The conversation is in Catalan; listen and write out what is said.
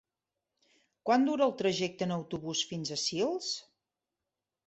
Quant dura el trajecte en autobús fins a Sils?